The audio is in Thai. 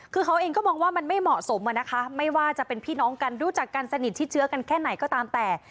คือเขาเองก็มองว่ามันไม่เหมาะสมอะนะคะไม่ว่าจะเป็นพี่น้องกันรู้จักกันสนิทที่เชื้อกันแค่ไหนก็ตามแต่